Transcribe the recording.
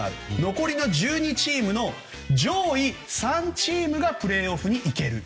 残り１２チームの上位３チームがプレーオフに行ける。